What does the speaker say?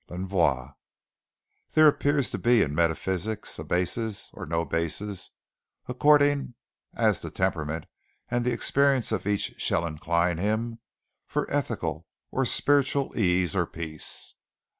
L'ENVOI There appears to be in metaphysics a basis, or no basis, according as the temperament and the experience of each shall incline him, for ethical or spiritual ease or peace.